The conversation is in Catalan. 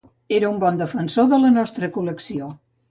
Era un bon defensor de la nostra col·lecció